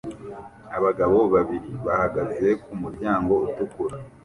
Abagabo babiri bahagaze ku muryango utukura